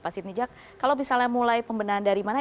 pasitinjak kalau misalnya mulai pembenahan dari mana